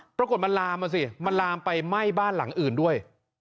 ปรากฏมันลามมาสิมันลามไปไหม้บ้านหลังอื่นด้วย